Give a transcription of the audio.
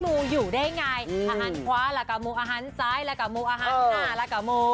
งูอยู่ได้ไงอาหารคว้าแล้วก็มูอาหารซ้ายแล้วก็มูอาหารหน้าแล้วก็โม